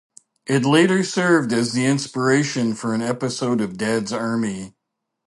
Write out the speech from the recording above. It later served as the inspiration for an episode of Dad's Army.